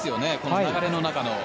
流れの中の。